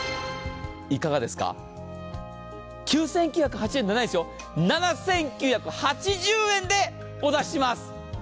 いかがですか、９９８０円じゃないですよ、７９８０円でお出しします。